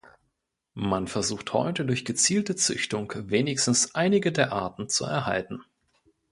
Man versucht heute durch gezielte Züchtung wenigstens einige der Arten zu erhalten.